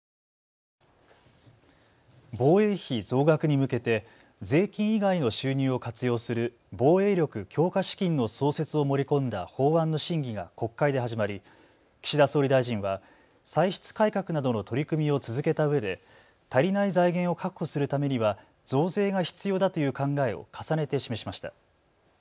防衛費増額に向けて税金以外の収入を活用する防衛力強化資金の創設を盛り込んだ法案の審議が国会で始まり、岸田総理大臣は歳出改革などの取り組みを続けたうえで足りない財源を確保するためには増税が必要だという考えを重ねて示しました。